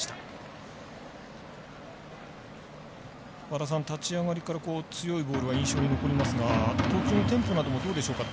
和田さん、立ち上がりから強いボールが印象に残りますが、投球のテンポなどはどうでしょうか。